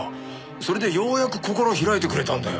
それでようやく心開いてくれたんだよ。